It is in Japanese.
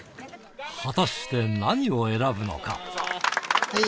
果たして何を選ぶのか。